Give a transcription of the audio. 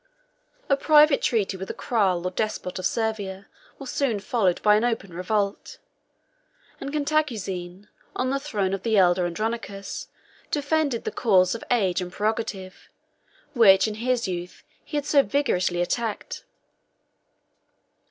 A private treaty with the cral or despot of Servia was soon followed by an open revolt; and Cantacuzene, on the throne of the elder Andronicus, defended the cause of age and prerogative, which in his youth he had so vigorously attacked.